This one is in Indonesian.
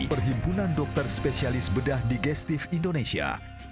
perhimpunan dokter spesialis bedah digestif indonesia